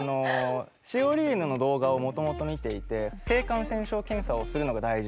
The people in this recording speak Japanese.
シオリーヌの動画をもともと見ていて性感染症検査をするのが大事だと。